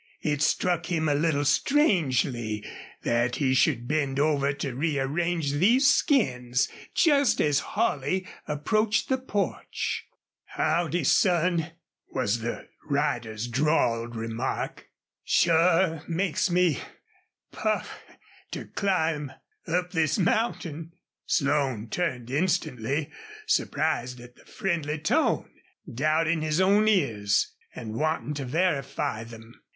It struck him a little strangely that he should bend over to rearrange these skins just as Holley approached the porch. "Howdy, son!" was the rider's drawled remark. "Sure makes me puff to climb up this mountain." Slone turned instantly, surprised at the friendly tone, doubting his own ears, and wanting to verify them.